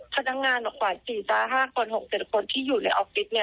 พนักงานกว่า๔๕คน๖๗คนที่อยู่ในออฟฟิศเนี่ย